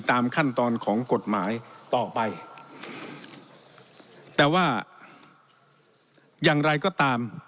ตามขั้นตอนของกฎหมายต่อไปแต่ว่าอย่างไรก็ตาม